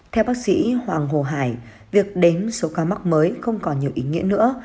theo bác sĩ hoàng hồ hải việc đến số ca mắc mới không còn nhiều ý nghĩa nữa